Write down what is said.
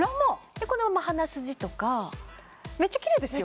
でこのまま鼻筋とかめっちゃキレイですよ